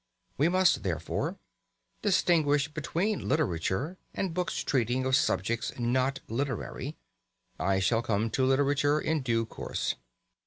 We must, therefore, distinguish between literature, and books treating of subjects not literary. I shall come to literature in due course.